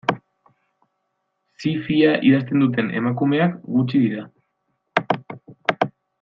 Zi-fia idazten duten emakumeak gutxi dira.